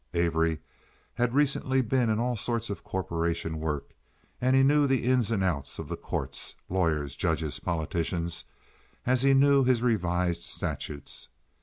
Avery had recently been in all sorts of corporation work, and knew the ins and outs of the courts—lawyers, judges, politicians—as he knew his revised statutes.